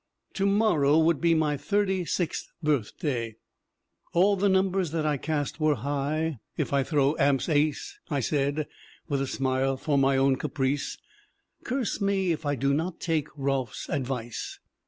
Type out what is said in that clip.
"To morrow would be my thirty sixth birthday. All the numbers that I cast were high. 'If I throw ambs ace/ I said, with a smile for my own caprice, 'curse me if I do not take Rolfe's advice!'